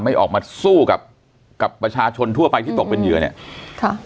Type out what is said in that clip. ไม่ออกมาสู้กับกับประชาชนทั่วไปที่ตกเป็นเหยื่อเนี้ยค่ะ